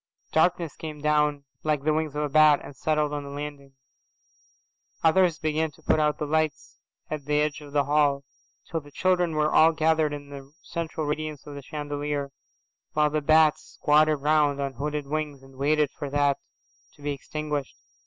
Darkness came down like the wings of a bat and settled on the landing. Others began to put out the lights at the edge of the hall, till the children were all gathered in the central radiance of the chandelier, while the bats squatted round on hooded wings and waited for that, too, to be extinguished.